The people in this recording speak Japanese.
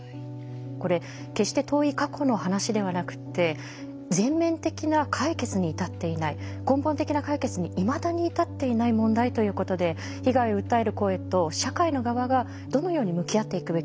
これ決して遠い過去の話ではなくって全面的な解決に至っていない根本的な解決にいまだに至っていない問題ということで被害を訴える声と社会の側がどのように向き合っていくべきなのか。